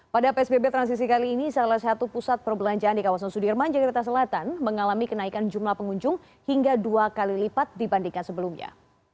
pada psbb transisi kali ini salah satu pusat perbelanjaan di kawasan sudirman jakarta selatan mengalami kenaikan jumlah pengunjung hingga dua kali lipat dibandingkan sebelumnya